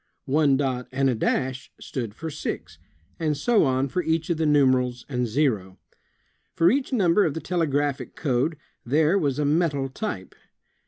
One dot ''." and a dash "—" stood for "6'', and so on for each of the numerals and zero. For each number of the telegraphic code, there was a metal type.